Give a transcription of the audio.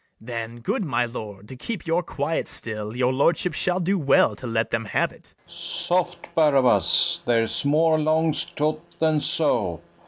Then, good my lord, to keep your quiet still, Your lordship shall do well to let them have it. FERNEZE. Soft, Barabas! there's more 'longs to't than so.